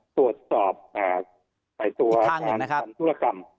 ตรวจสอบใต้ตัวทางธุรกรรม